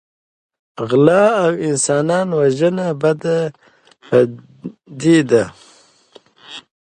غلا او انسان وژنه بده پدیده ده.